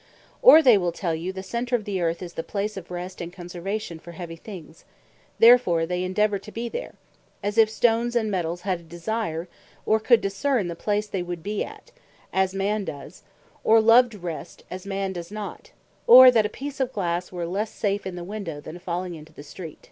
Or they will tell you the center of the Earth is the place of Rest, and Conservation for Heavy things; and therefore they endeavour to be there: As if Stones, and Metalls had a desire, or could discern the place they would bee at, as Man does; or loved Rest, as Man does not; or that a peece of Glasse were lesse safe in the Window, than falling into the Street.